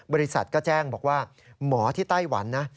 บริษัทก็แจ้งบอกว่าหมอที่ไต้หวันนะ